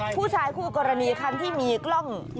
ผู้ชายขู่กรณีคั้นที่มีกล้อง